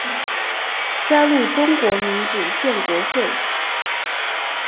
加入中国民主建国会。